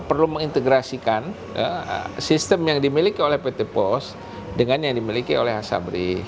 perlu mengintegrasikan sistem yang dimiliki oleh pt pos dengan yang dimiliki oleh asabri